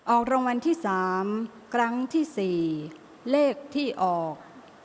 ออกรางวัลที่๓ครั้งที่๔เลขที่ออก